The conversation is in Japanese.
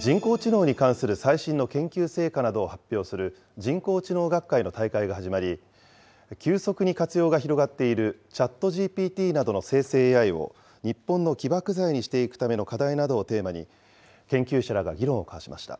人工知能に関する最新の研究成果などを発表する人工知能学会の大会が始まり、急速に活用が広がっているＣｈａｔＧＰＴなどの生成ＡＩを日本の起爆剤にしていくための課題などをテーマに、研究者らが議論を交わしました。